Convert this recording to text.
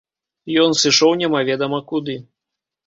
Ён сышоў немаведама куды.